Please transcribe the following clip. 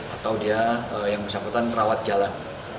atau dia yang bersamputan rawat jalan